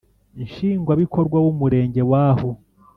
Nshingwabikorwa w Umurenge w aho